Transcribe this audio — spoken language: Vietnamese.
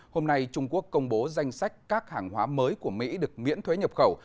hôm nay trung quốc công bố danh sách các hàng hóa mới của mỹ được miễn thuế nhập khẩu